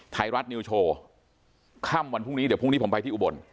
ไทยรัฐนิวโชว์ค่ำวันพรุ่งนี้เดี๋ยวพรุ่งนี้ผมไปที่อุบล